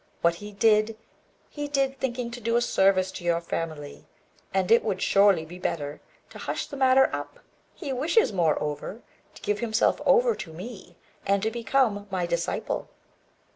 What he did, he did thinking to do a service to your family; and it would surely be better to hush the matter up. He wishes, moreover, to give himself over to me, and to become my disciple."